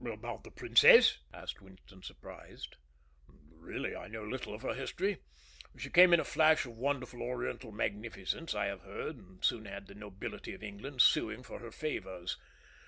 "About the Princess?" asked Winston, surprised. "Really, I know little of her history. She came in a flash of wonderful oriental magnificence, I have heard, and soon had the nobility of England suing for her favors.